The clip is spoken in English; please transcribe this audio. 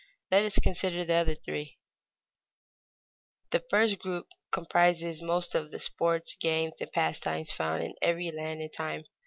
Let us consider the other three. [Sidenote: Play] The first group comprises most of the sports, games, and pastimes found in every land and time.